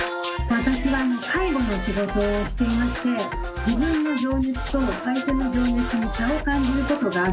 私は介護の仕事をしていまして自分の情熱と相手の情熱に差を感じることがあるんです。